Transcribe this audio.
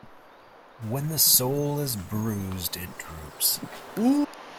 When the soul is bruised, it droops.